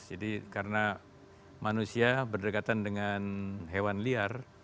jadi karena manusia berdekatan dengan hewan liar